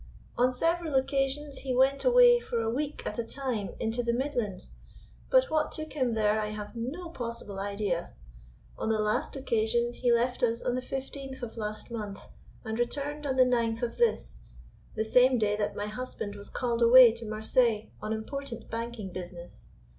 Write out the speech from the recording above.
On several occasions he went away for a week at a time into the Midlands, but what took him there I have no possible idea. On the last occasion he left us on the fifteenth of last month, and returned on the ninth of this, the same day that my husband was called away to Marseilles on important banking business.